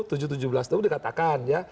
tujuh tujuh belas itu dikatakan ya